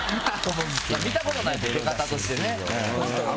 見たことないですこんな出方としてね。